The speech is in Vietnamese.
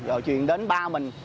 rồi chuyển đến ba mình